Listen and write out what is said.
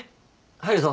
入るぞ。